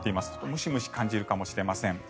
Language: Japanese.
ムシムシ感じるかもしれません。